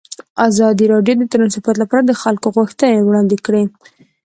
ازادي راډیو د ترانسپورټ لپاره د خلکو غوښتنې وړاندې کړي.